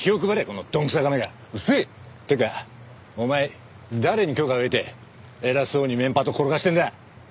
お前誰に許可を得て偉そうに面パト転がしてんだよ。